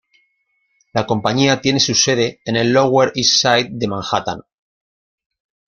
La compañía tiene su sede en el Lower East Side de Manhattan.